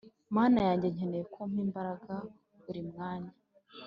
Mana yanjye nkeneye ko umpa imbaraga buri mwanya